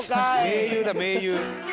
「盟友だ盟友」